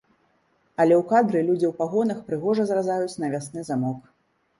Але ў кадры людзі ў пагонах прыгожа зразаюць навясны замок.